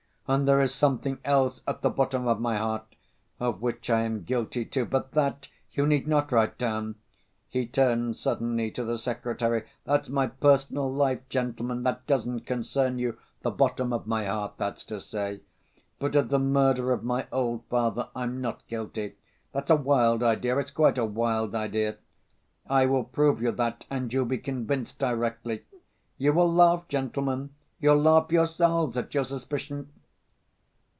And there is something else at the bottom of my heart, of which I am guilty, too—but that you need not write down" (he turned suddenly to the secretary); "that's my personal life, gentlemen, that doesn't concern you, the bottom of my heart, that's to say.... But of the murder of my old father I'm not guilty. That's a wild idea. It's quite a wild idea!... I will prove you that and you'll be convinced directly.... You will laugh, gentlemen. You'll laugh yourselves at your suspicion!..."